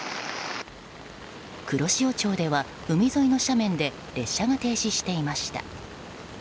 黒潮町では海沿いの斜面で列車が停止していました。